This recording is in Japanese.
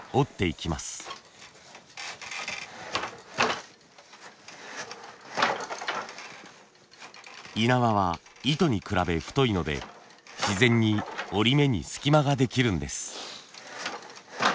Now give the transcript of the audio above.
い縄は糸に比べ太いので自然に織り目に隙間ができるんです。